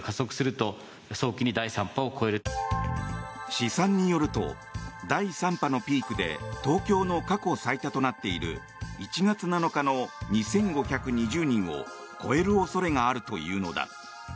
試算によると第３波のピークで東京の過去最多となっている１月７日の２５２０人を超える恐れがあるというのだ。